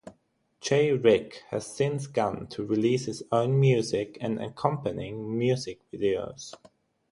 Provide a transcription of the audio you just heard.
J Rick has since gone to release his own music and accompanying music videos.